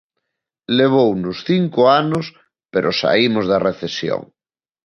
Levounos cinco anos, pero saímos da recesión.